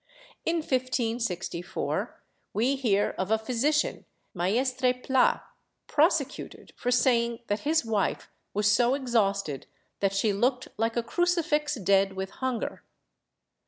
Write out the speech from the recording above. In 1564 we hear of a physician, Maestre Pla, prosecuted for saying that his wife was so exhausted that she looked like a crucifix dead with hunger.